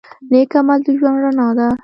نیک عمل د ژوند رڼا ده.